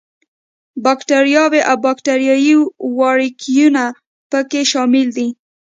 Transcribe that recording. باکټریاوې او باکټریايي وارکیو په کې شامل دي.